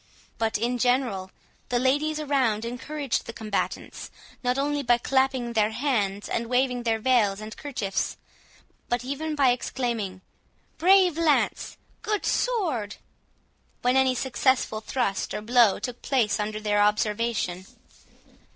But, in general, the ladies around encouraged the combatants, not only by clapping their hands and waving their veils and kerchiefs, but even by exclaiming, "Brave lance! Good sword!" when any successful thrust or blow took place under their observation.